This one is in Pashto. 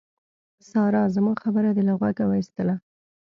سارا! زما خبره دې له غوږه واېستله.